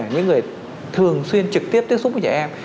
những người thường xuyên trực tiếp tiếp xúc với trẻ em